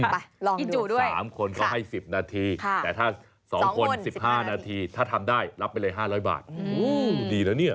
ไปลองกินดูด้วย๓คนเขาให้๑๐นาทีแต่ถ้า๒คน๑๕นาทีถ้าทำได้รับไปเลย๕๐๐บาทดีแล้วเนี่ย